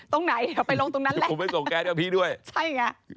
ตรงไหนเราไปลงตรงนั้นแสละผมไปส่งแก๊สเดียวพี่ด้วย